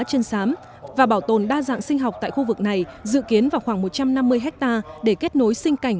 chân sám và bảo tồn đa dạng sinh học tại khu vực này dự kiến vào khoảng một trăm năm mươi hectare để kết nối sinh cảnh